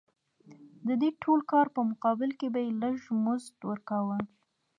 د دې ټول کار په مقابل کې به یې لږ مزد ورکاوه